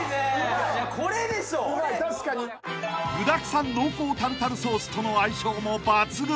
［具だくさん濃厚タルタルソースとの相性も抜群］